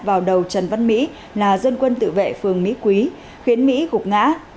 vào đầu trần văn mỹ là dân quân tự vệ phường mỹ quý khiến mỹ gục ngã